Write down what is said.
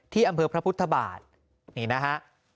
อำเภอพระพุทธบาทนี่นะฮะ